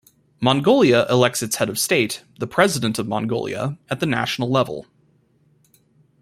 Mongolia elects its head of state-the President of Mongolia-at the national level.